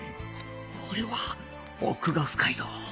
これは奥が深いぞ